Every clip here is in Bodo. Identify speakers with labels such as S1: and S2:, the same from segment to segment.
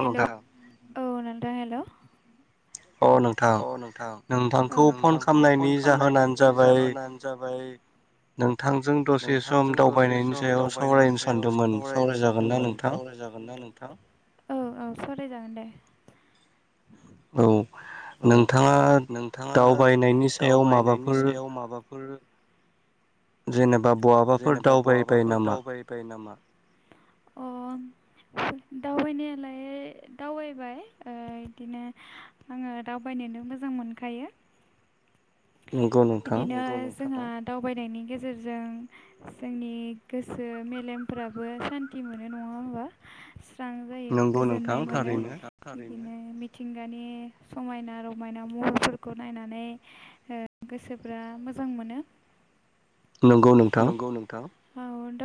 S1: हेलौ औ नोंथा हेलौ
S2: अ नोंथां नोंथांखौ फन खामनायनि जाहोनानो जाबाय
S1: [inaudible] नोंथांजों दसे सम दावबायनायनि सायाव सावरायनो सानदोंमोन सावरायजागोन ना? नोंथां औ औ सावरायजागोन दे।
S2: औ नोंथाङा दावबायनायनि सायाव माबाफोर जेनेबा
S1: जेनेबा बहाबाफोर दावबायबाय नामा?
S2: [inaudible]
S1: अ दावबायनायालाय दावबायबाय ओ इदिनो आङो दावबायनोनो मोजां मोनखायो।
S2: [inaudible] नोंगौ नोंथां।
S1: जोंहा दावबायनायनि गेजेरजों जोंनि गोसो मेलेमफोराबो सान्थि मोनो नङा होमबा।
S2: नोंगौ नोंथां थारैनो।
S1: मिथिंगानि समायना-रमायना महरफोरखौ नायनानै ओ गोसोफ्रा मोजां मोनो।
S2: नंगौ नोंथां।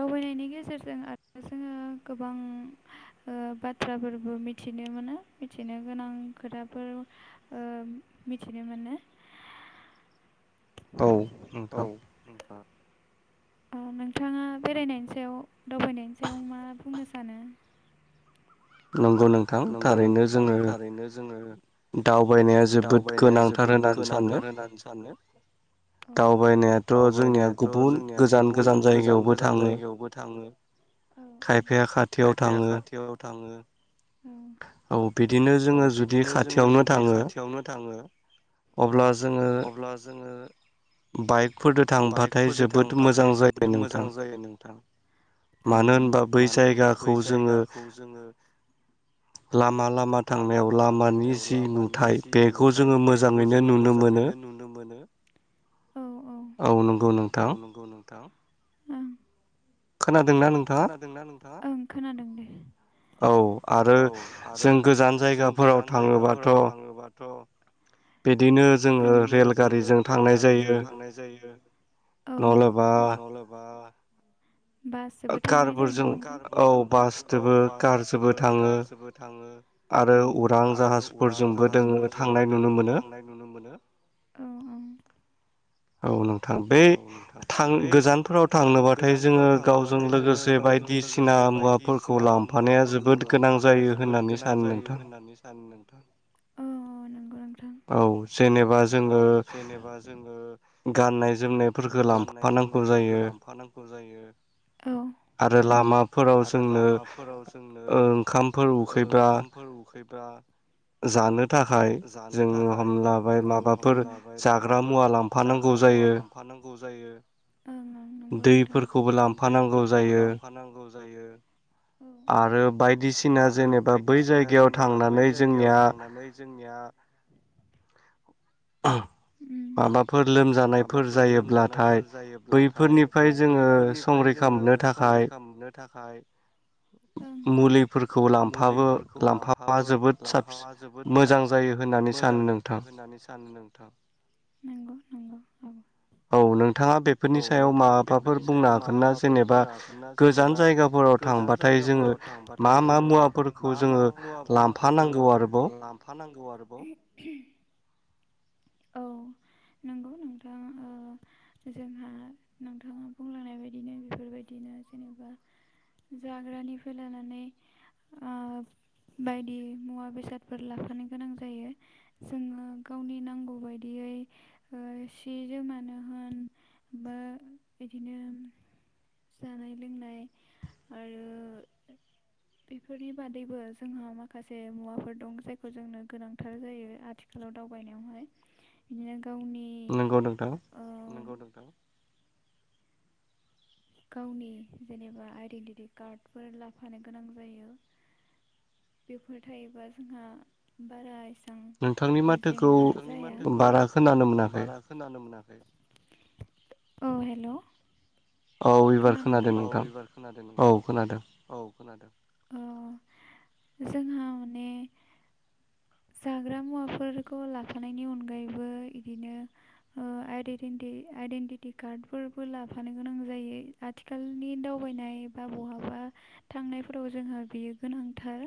S1: दावबायनायनि गेजेरजों आरो जोङो गोबां ओ बाथ्राफोरबो मिथिनो मो नो मिथिनो गोनां खोथाफोर ओ मिथिनो मोनो।
S2: औ नोंथां।
S1: ओ नोंथाङा बेरायनायनि सायाव दावबायनायनि सायाव मा बुंनो सानो?
S2: नोंगौ नोंथां थारैनो जोङो दावबायनाया जोबोद गोनांथार होननानै सानो। दावबायनायाथ' जोंनिया गुबुन गोजान गोजान जायगायावबो थाङो। खायफाया खाथियाव थाङो।
S1: औ बिदिनो जोङो जुदि खाथियावनो थाङो।
S2: अब्ला जोङो बाइक
S1: बाइकफोरदो थांबाथाय जोबोद मोजां जायो नोंथां।
S2: मानो होनबा बै जायगाखौ जोङो लामा लामा थांनायाव लामानि जि नुथाय बेखौ जोङो मोजाङैनो नुनो मो
S1: ङैनो नुनो मोनो।
S2: [inaudible]
S1: औ औ।
S2: औ नंगौ नोंथां।
S1: उम। खोनादोंना नोंथाङा? ओं खोनादों दे।
S2: औ आरो जों गोजान जायगाफोराव थाङोबाथ' बिदिनो जोङो रेलगारिजों थांनाय जायो।
S1: औ। [unintelligible]
S2: कारफोरजों औ बासदोबो कारजोंबो थाङो। आरो उरां जाहाजफोरजोंबो दोङो थांनाय नुनो मोनो। [inaudible] औ नों थां बै थां गोजानफोराव थांनोबाथाय जोङो गावजों लोगोसे बायदिसिना
S1: बे बायदिसिना मुवाफोरखौ लांफानाया जोबोद गोनां जायो होननानै सानो नोंथां।
S2: औ। जेनेबा जोङो गाननाय-जोमनायफोरखो लांफानांगौ जायो।
S1: लांफानांगौ जायो औ।
S2: आरो लामाफोराव जोंनो ओंखामफोर उखैब्ला जानो थाखाय जोङो हमलाबाय
S1: जोंङो हमलाबाय माबाफोर जाग्रा मुवा लांफानांगौ जायो।
S2: दैफोरखौबो लांफानांगौ जायो। आरो बायदिसिना जेनेबा बै जायगायाव थांनानै
S1: याव थांनानै जोंनिया
S2: [unintelligible] माबाफोर लोमजानायफोर जायोब्लाथाय बैफोरनिफ्राय जोङो संरैखा
S1: संरैखा मोननो थाखाय
S2: मुलिफोरखौ लांफाबो लामफाबा जोबोद साबसिन मोजां जायो।
S1: मोजां होननानै सानो नोंथां नंगौ नंगौ नंगौ।
S2: औ नों नोंथाङा बेफोरनि सायाव माबाफोर बुंनो हागोन ना जेनेबा गोजान जायगाफोराव थांबाथाय
S1: गाफोराव थांबाथाय जोङो मा मा मुवाफोरखौ जोङो लफानांग गौ आरोबाव। औ नंगौ नोंथां ओ जोंहा नोंथाङा बुंलांनाय बायदिनो बेफोरबायदिनो जेनेबा जाग्रानिफ्राय लानानै ओ बायदि मुवा बेसादफोर लाफानो गोनां जायो जोङो गावनि नांगौ बायदि दै ओ सि जोमानो होन बा बिदिनो जानाय लोंनाय आरो बेफोरनि बादैबो जोंहा माखासे मुवाफोर दं जायखौ जोंनो गोनांथार जायो आथिखा खालाव दावबायनायावहाय बिदिनो
S2: नंगौ नोंथां।
S1: गावनि जेनेबा आइडेन्टित कार्डफोर लाफानो गोनां जायो। बेफोर थायोबा जोंहा बारा एसे
S2: नोंथांनि माथोखौ बारा खोनानो मोनाखै।
S1: औ हेल'। खोनादों ना? औ एबार खोनादों नोंथां औ खोनादों औ। जोंहा माने
S2: [inaudible]
S1: जाग्रा मुवाफोरखौ लाफानायनि अनगायैबो इदिनो ओ आइडेटिनटि आइडेन्टिटि कार्डफोरबो लाफानो गोनां जायो। आथिखालनि दावबायनाय बा बहाबा थांनायफोराव जोंहा बेयो गोनांथार।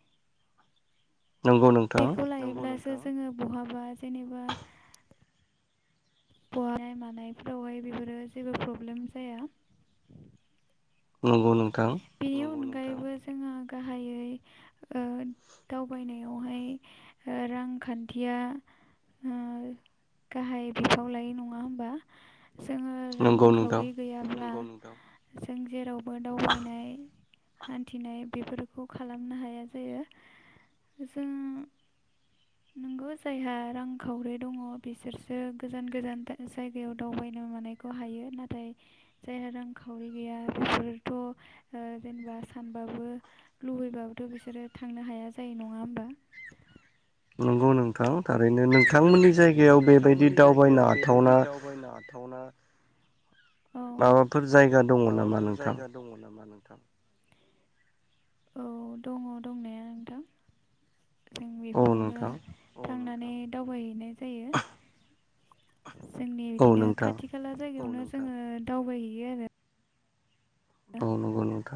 S2: [inaudible]
S1: बेखौ लायोब्लासो जोङो बहाबा जेनेबा [unintelligible] मानायफोरावहाय बेफोरो जेबो प्रब्लेम जाया।
S2: नोंगौ नोंथां।
S1: अनगायैबो जोंहा गाहायै ओ दावबायनायावहाय रां खान्थिया गाहाय बिफाव लायो नङा होमबा? जोङो रांखावरि गैयाब्ला जों जेरावबो
S2: [unintelligible]
S1: हान्थिनाय बेफोरखौ खालामनो हाया जायो जों
S2: [inaudible]
S1: जायहा रांखावरि दङ बिसोरसो गोजान गोजान जायगायाव दावबायनाय मानायखौ हायो। हायो नाथाय जायहा रांखावरि गैया बेसोरथ' जेनबा सानबाबो लुबैबाबोथ' बिसोरो थांनो हाया जायो नङा होमबा?
S2: [inaudible] नोंगौ नोंथां थारैनो नोंथांमोननि जायगायाव बेबायदि दावबायनो हाथावना माबाफोर जायगा दङ नामा नोंथां?
S1: थां औ दङ दंनाया नोंथां जों बेफोरावनो थांनानै नै दावबायहैनाय
S2: [unintelligible]
S1: जोंनि बिदिनो खाथि खाला जायगायावनो जोङो दावबायहैयो आरो।
S2: औ नोंगौ नोंथा।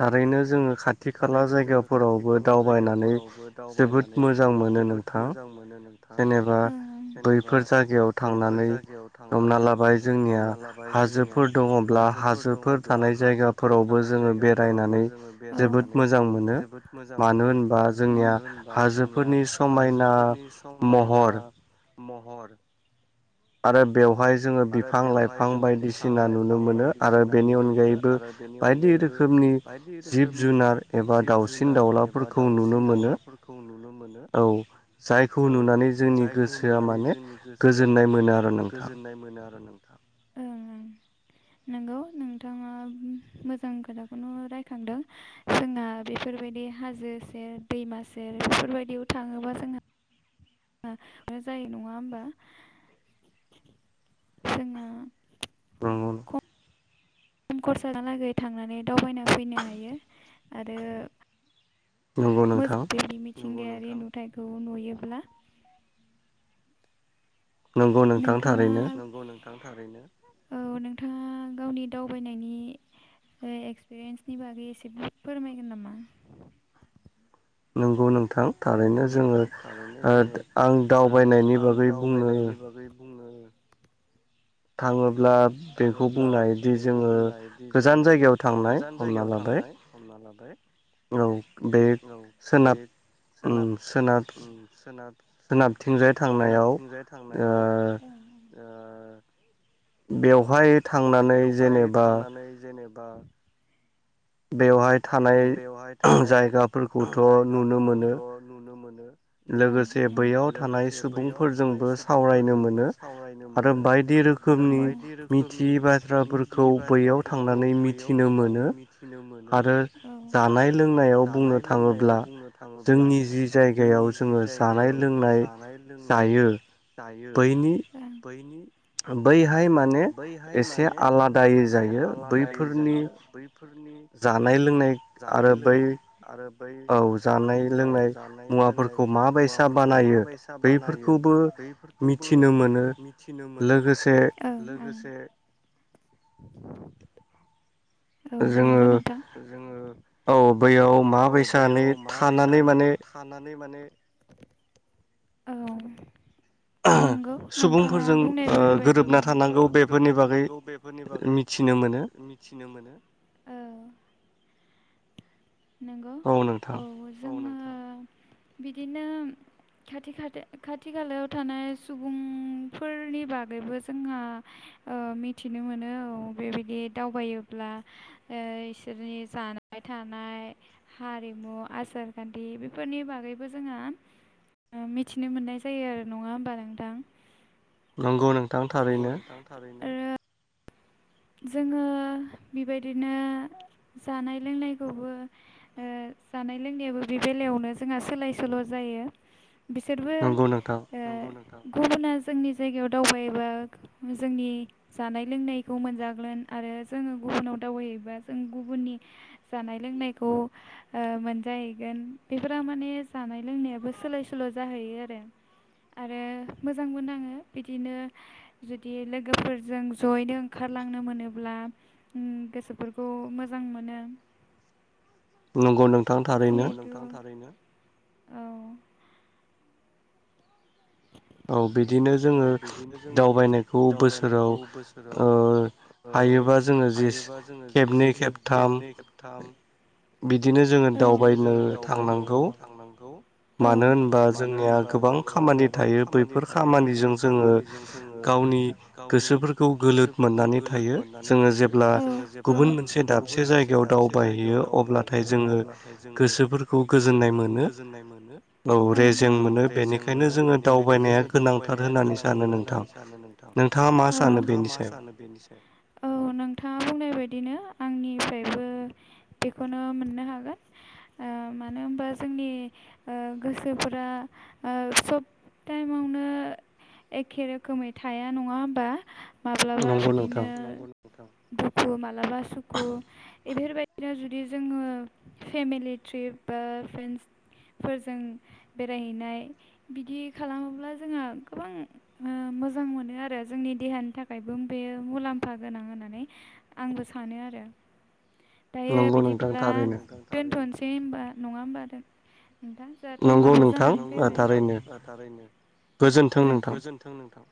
S2: थारैनो जोङो खाथि खाला जायगाफोरावबो दावबायनानै जोबोद मोजां मोनो।
S1: बहुद मोजां मोनो नोंथां ओं।
S2: बैफोर जायगायाव थांनानै हमना लाबाय जोंनिया हाजोफोर दङब्ला बा हाजोफोर थानाय जायगाफोरावबो जोङो बे नायनानै जोबोद मोजां मोनो मानो होनबा जोंनिया हाजोफोरनि
S1: हाजोफोरनि समायना महर
S2: आरो बेवहाय जोङो बिफां- लाइफां बायदिसिना नुनो मोनो आरो बेनि अनगायैबो बायदि रोखोमनि
S1: बायदि रोखोमनि जिब जुनार एबा दाउसिन दाउलाफोरखौ नुनो मोनो।
S2: औ जायखौ नुनानै जोंनि गोसोआ माने गोजोननाय
S1: मोनो आरो नोंथां।
S2: [inaudible]
S1: नोंगौ नोंथाङा मोजां खोथाखौनो रायखांदों। जोंना बेफोरबायदि बे हाजो सेर, दैमा सेर बेफोरबायदियाव थाङोबा जोंहा जायो नङा होमबा। जोंहा
S2: नंगौ
S1: खम खरसाहालागै थांनानै दावबायना फैनो हायो आरो मोजाङै बेबायदि मिथिंगायारि नुथायखौ नुयोब्ला
S2: नोंगौ नोंथां थारैनो।
S1: औ नोंथाङा गावनि दावबायनायनि ए एक्सपिरियेन्सनि बागै एसे फोरमायगोन नामा? नंगौ नोंथां थारैनो जोङो ओ आं दावबायनायनि बागै बुंनो ओ
S2: थाङो अब्ला बेखौ बुंनायदि जोङो गोजान जायगायाव थांनाय हमना लाबाय
S1: लाबाइ
S2: औ बे सोनाब
S1: सोनाब ओम सोनाब
S2: सोनाबथिंजाय थांनायाव ओ
S1: ओ
S2: बेवहाय थांनानै जेनेबा
S1: बा
S2: बेवहाय
S1: औ बेवहाय थानाय जायगाफोरखौथ' नुनो मोनो। ओं ओं लोगोसे बैयाव थानाय सुबुंफोरजोंबो सावरायनो मोनो।
S2: बायदि रोखोमनि मिथियै बाथ्राफोरखौ बैयाव थांनानै मिथिनो मोनो। आरो जानाय लोंनायाव बुंनो थाङोब्ला जोंनि जि जायगायाव
S1: जि जायगायाव जानाय-लोंनाय जायो ओं बैनि
S2: ओ बैहाय माने एसे आलादायै जायो। बैफोरनि जानाय लोंनाय
S1: जानाय लोंनाय आरो बै-'
S2: बे लोंनाय मुवाफोरखौ माबायसा बानायो बैफोरखौबो मिथिनो
S1: मिथिनो मोनो ओं ओं लोगोसे औ नंगौ नोंथां। जोङो औ बैयाव माबैसानि थानानै माने औ
S2: अ सुबुंफोरजों गोरोबना थानांगौ बेफोरनि बागै मिथिनो मोनो।
S1: मिथिनो मोनो।
S2: [inaudible]
S1: नंगौ औ जोङो
S2: [inaudible]
S1: बिदिनो खाथि खाथे खाथि खालायाव थानाय सुबुंफोरनि बागैबो जोंहा ओ मिथिनो मोनो औ बेबायदि दावबायोब्ला ओ इसोरनि जा नाय थानाय हारिमु आसार खान्थि बेफोरनि बागैबो जोंङो ओ मिथिनो मोननाय जायो आरो नङा होमबा नोंथां?
S2: नंगौ नोंथां थारैनो
S1: ओ जोङो बेबायदिनो जानाय लोंनायखौबो ओ जानाय लोंनायाबो बे बेलायावनो जोंहा सोलाय सोल' जायो बिसोरबो ओ [unintelligible] गुबुना जोंनि जायगायाव दावयोबा जोंनि जानाय लोंनाय खौ मोनजागोन आरो जोङो गुबुनाव दावबायहैबा जों गुबुननि जानाय लोंनायखौ ओ मोनजाहैगोन बेफोरा माने जानाय लोंनायाबो सोलाय सोल' जाहैयो आरो आरो मोजांबो नाङो बिदिनो जुदि लोगोफोरजों जयैनो ओंखारलांनो मोनोब्ला उम गोसोफोरखौ मोजां मोनो
S2: नंगौ नों
S1: नंगौ नोंथां थारैनो औ
S2: औ बिदिनो जोंङो दावबायनायखौ बोसोराव हायोबा जोंङो जे खेबनै खेबथाम बिदिनो जोंङो दावबायनो थांनांगौ मानो होनबा जोंनिया गोबां खामानि थायो बैफोर खामानि जों जोंङो गावनि गोसोफोरखौ गोलोद मोननानै थायो जोंङो जेब्ला गुबुन मोनसे दाबसे जायगायाव दावबायहैयो अब्लाथाय जोंङो गोसोफोरखौ
S1: गोसोफोरखौ गोजोननाय मोनो
S2: औ रेजें मोनो बेनिखायनो जोंङो दावबायनाया गोनांथार होना
S1: गोनांथार होननानै सानो नोंथां नोंथाङा मा सानो बेनि सायाव औ नोंथाङा बुंनाय बायदिनो आंनिफ्रायबो बेखौनो मोननो हागोन। ओ मानो होनबा जोंनि ओ गोसोफोरा ओ सब ताइमावनो एखे रोखोमै थाया नंङा होमबा माब्लाबा बिदिनो दुखु मालाबा सुखु बेफोरबायदिनो जुदि जोंङो फेमिलि ट्रिप बा फ्रेन्स फोरजों बेरायहैनाय बिदि खालामोब्ला जोंहा गोबां ओ मोजां मोनो आरो जोंनि देहानि थाखायबो बेयो मुलाम्फा गोनां होननानै आंबो सानो आरो दायो बिदिब्ला दोनथ'नोसै होनबा नंङा होमबा नोंथां जोंहा टाइमाबबो जानानै दं नोंथां थारैनो औ गोजोनथों नोंथां